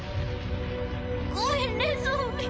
ごめんねゾンビ。